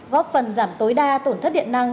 góp phần giảm tối đa tổn thất điện năng